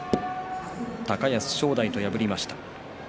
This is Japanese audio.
高安、正代と破りました。